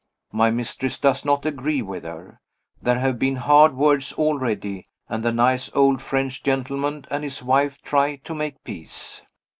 My mistress does not agree with her. There have been hard words already, and the nice old French gentleman and his wife try to make peace.